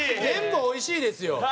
全部おいしいですよ。